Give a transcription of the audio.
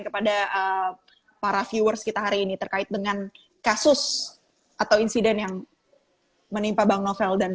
kepada para viewers kita hari ini terkait dengan kasus atau insiden yang menimpa bang novel dan